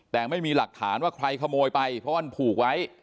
แต่ไม่มีหลักฐานว่าใครขโมยไปเพราะมันผูกไว้